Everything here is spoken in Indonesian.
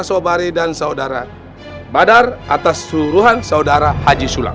sobari dan saudara badar atas suruhan saudara haji sulam